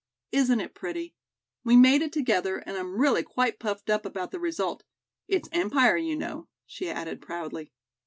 "Isn't it pretty? We made it together, and I'm really quite puffed up about the result. It's Empire, you know," she added proudly.